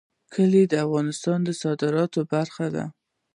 کلي د افغانستان د صادراتو برخه ده.